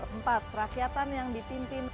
empat rakyatan yang dipimpin